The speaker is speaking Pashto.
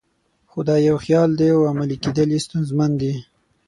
خو دا یو خیال دی او عملي کېدل یې ستونزمن دي.